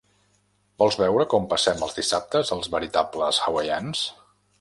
Vols veure com passem els dissabtes els veritables hawaians?